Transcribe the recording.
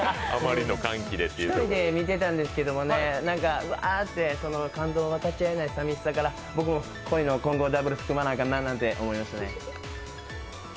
１人で見てたんですけど、感動を分かち合えない寂しさから、僕も恋の混合ダブルスを組まなあかんなと思いましたね。